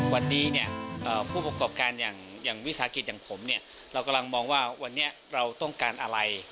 วันนี้ผู้ประกอบการอย่างวิสาหกิจอย่างผมเนี่ยเรากำลังมองว่าวันนี้เราต้องการอะไร